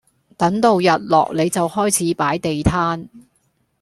等到日落你就開始擺地攤